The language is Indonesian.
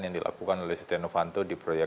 yang dilakukan oleh stiano vanto di proyek